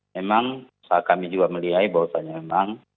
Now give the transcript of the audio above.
memang kami juga melihat bahwasannya memang